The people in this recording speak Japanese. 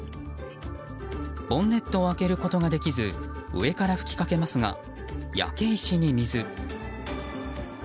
ボンネットを開けることができず上からふきかけますが焼け石に水。